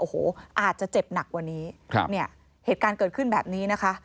โอ้โหอาจจะเจ็บหนักกว่านี้ครับเนี่ยเหตุการณ์เกิดขึ้นแบบนี้นะคะ